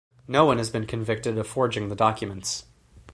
No one has been convicted of forging the documents.